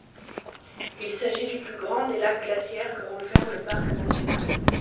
Il s’agit du plus grand des lacs glaciaires que renferme le parc national.